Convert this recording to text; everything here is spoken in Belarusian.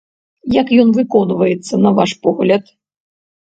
Як ён выконваецца на ваш погляд?